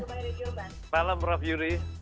selamat malam prof yury